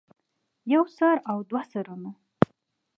يو سر او دوه سرونه